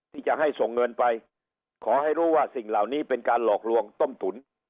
ที่จะให้ส่งเงินไปขอให้รู้ว่าสิ่งเหล่านี้เป็นการหลอกลวงต้มตุ๋น